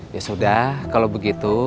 ya sudah kalau begitu